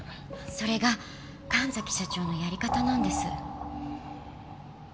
それが神崎社長のやり方なんです。